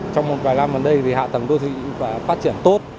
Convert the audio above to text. trong một vài năm ở đây thì hạ tầng đô thị phát triển tốt